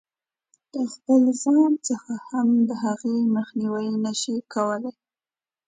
د خپل ځان څخه هم د هغې مخنیوی نه شي کولای.